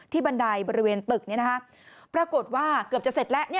บันไดบริเวณตึกปรากฏว่าเกือบจะเสร็จแล้ว